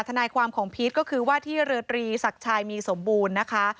ทนายความของพีชก็คือว่าที่เรือตรีศักดิ์ชายมีสมบูรณ์นะคะ